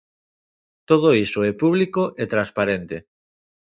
Todo iso é público e transparente.